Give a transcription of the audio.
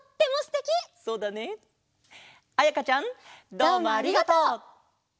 どうもありがとう！